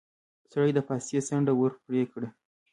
سړي د پاستي څنډه ور پرې کړه.